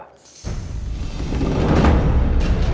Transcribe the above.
kenzo kamu enggak usah khawatir